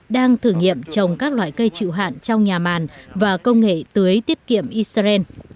đang thử nghiệm trồng các loại cây chịu hạn trong nhà màn và công nghệ tưới tiết kiệm israel